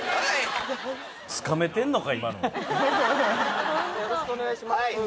今のよろしくお願いします